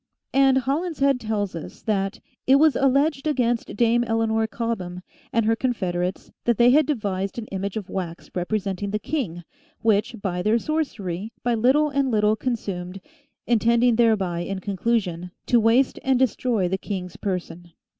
" And Hollinshed tells us that "it was alleged against Dame Eleanor Cobham and her confederates that they had devised an image of wax, representing the king, which, by their sorcerie, by little and little consumed, intending thereby, in conclusion, to waste and destroy the king's person."